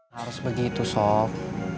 harus begitu sob